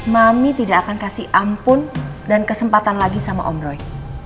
mami tidak akan kasih ampun dan kesempatan lagi sama om roy